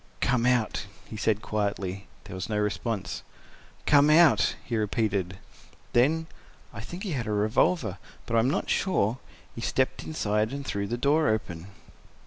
"Come out," he said quietly. There was no response. "Come—out," he repeated. Then—I think he had a revolver, but I am not sure—he stepped aside and threw the door open.